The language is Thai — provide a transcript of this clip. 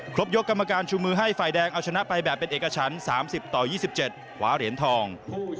ยกกรรมการชูมือให้ฝ่ายแดงเอาชนะไปแบบเป็นเอกชั้น๓๐ต่อ๒๗ขวาเหรียญทอง